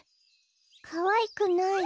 かわいくない。